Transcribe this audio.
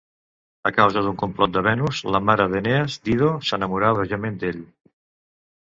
A causa d'un complot de Venus, la mare d'Enees, Dido s'enamora bojament d'ell.